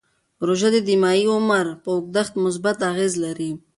روژه د دماغي عمر پر اوږدښت مثبت اغېز لري.